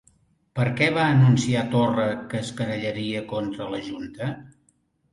Per què va anunciar Torra que es querellaria contra la junta?